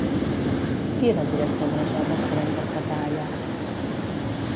Qui era el director de les obres que va interpretar allà?